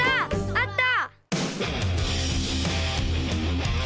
あった！